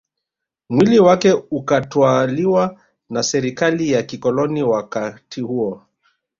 Mwili wake ukatwaliwa na Serikali ya kikoloni wakati huo